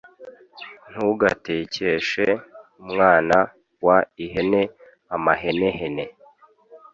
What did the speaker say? Ntugatekeshe umwana w ihene amahenehene